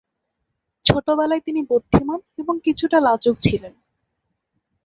ছোটবেলায় তিনি বুদ্ধিমান এবং কিছুটা লাজুক ছিলেন।